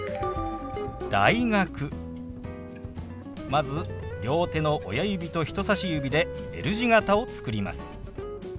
まず両手の親指と人さし指でＬ字形を作ります。